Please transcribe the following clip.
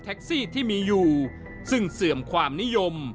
แท็กซี่ที่มีอยู่ซึ่งเสื่อมความนิยม